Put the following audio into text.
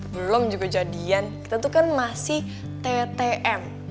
belum juga jadian kita tuh kan masih ttm